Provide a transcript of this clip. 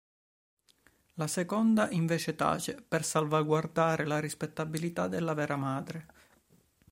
La seconda invece tace per salvaguardare la rispettabilità della vera madre.